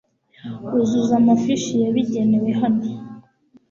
uzuza amafishi yabigenewe hano